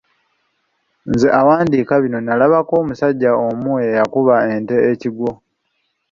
Nze awandiika bino nalabako omusajja omu eyakuba ente ekigwo.